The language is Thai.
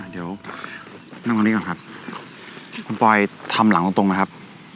เดี๋ยวนั่งตรงนี้ก่อนครับคุณปอยทำหลังตรงนะครับ